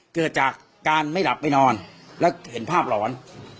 เกิดจากการไม่หลับไปนอนแล้วเห็นภาพหลอน